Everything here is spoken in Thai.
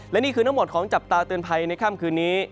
และนี่คือทั้งหมดของจับตาเตือนภัยในค่ำคืนนี้